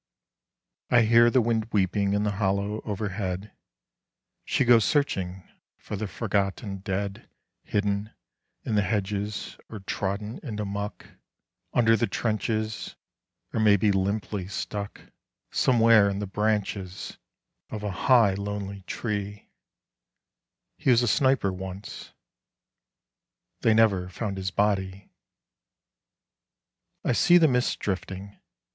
I hear the wind weeping in the hollow overhead: She goes searching for the forgotten dead Hidden in the hedges or trodden into muck Under the trenches, or maybe limply stuck Somewhere in the branches of a high lonely tree He was a sniper once. They never found his body. I see the mist drifting.